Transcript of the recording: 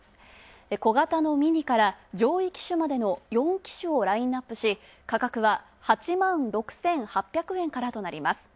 小型のミニから上位機種までラインアップし、価格は８万６８００円からとなります。